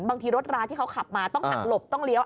บางทีรถราที่เขาขับมาต้องหักหลบต้องเลี้ยว